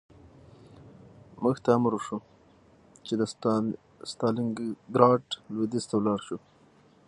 موږ ته امر وشو چې د ستالینګراډ لویدیځ ته لاړ شو